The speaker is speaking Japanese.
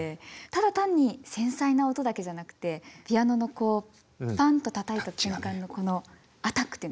ただ単に繊細な音だけじゃなくてピアノのこうパンッとたたいた瞬間のこのアタックっていうんですか。